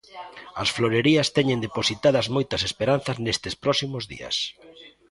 As florerías teñen depositadas moitas esperanzas nestes próximos días.